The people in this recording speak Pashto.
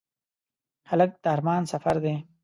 هلک د ارمان سفر دی.